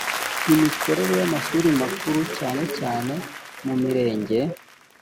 imikorere y amashuri makuru cyane cyane mu mirenge